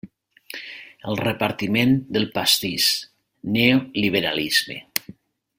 El repartiment del pastís; Neoliberalisme.